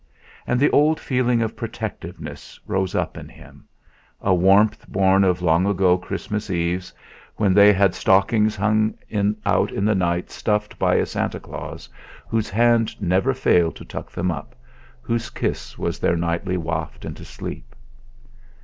And the old feeling of protectiveness rose up in him; a warmth born of long ago Christmas Eves, when they had stockings hung out in the night stuffed by a Santa Claus, whose hand never failed to tuck them up, whose kiss was their nightly waft into sleep.